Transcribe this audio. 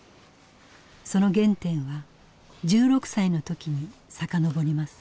その原点は１６歳の時に遡ります。